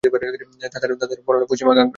তাদের পরনে পশ্চিমা ঘাগরা।